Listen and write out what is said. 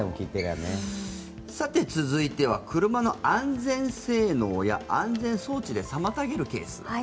さて、続いては車の安全性能や安全装置で妨げるケース。